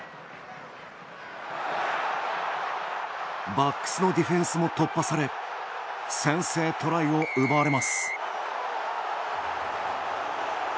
バックスのディフェンスも突破され先制トライを奪われます。